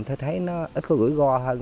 tôi thấy nó ít có gũi go hơn